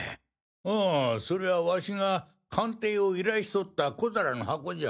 あぁそれはワシが鑑定を依頼しとった小皿の箱じゃ！